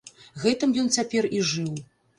Гэтым ён цяпер і жыў.